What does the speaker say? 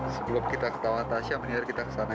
sebelum kita ketawa tasya mendingan kita ke sana ya